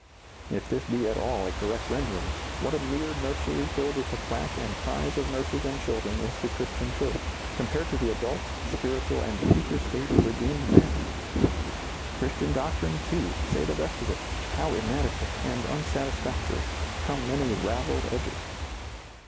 If this be at all a correct rendering, what a mere nursery filled with the clack and cries of nurses and children is the Christian church, compared to the adult, spiritual and future state of redeemed men 1 Christian doctrine, too, say the best of it, how inadequate and unsatisfactory, how many ravelled edges